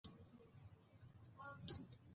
د واورې کړنه له اورېدلو راځي.